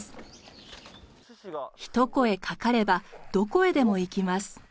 ひと声かかればどこへでも行きます。